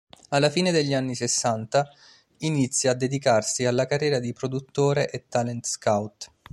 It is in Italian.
Alla fine degli anni sessanta, inizia a dedicarsi alla carriera di produttore e talent-scout.